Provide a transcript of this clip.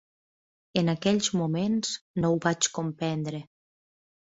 En aquells moments no ho vaig comprendre